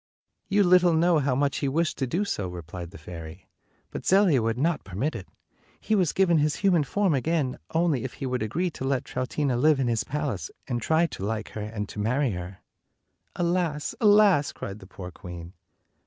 "You little know how much he wished to do so," replied the fairy; "but Zelia would not permit it. He was given his human form again, 223 only if he would agree to let Troutina live in his palace, and try to like her and to marry her." "Alas! Alas!" cried the poor queen.